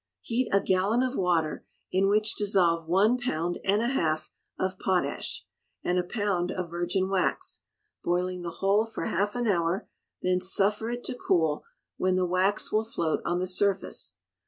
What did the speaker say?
Heat a gallon of water, in which dissolve one pound and a half of potash; and a pound of virgin wax, boiling the whole for half an hour, then suffer it to cool, when the wax will float on the surface.